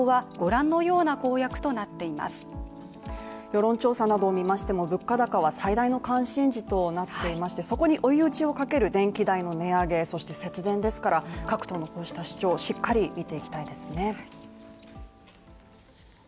世論調査などを見ましても、物価高は最大の関心事となっていまして、そこに追い打ちをかける電気代の値上げ、そして、節電ですから、各党のこうした主張をしっかり見ていきたいですね。